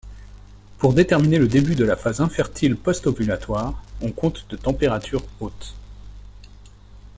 Pour déterminer le début de la phase infertile post-ovulatoire, on compte de température haute.